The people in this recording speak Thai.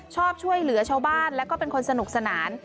ชอบช่วยเหลือชาวบ้านแล้วก็เป็นคนสนุกสนาน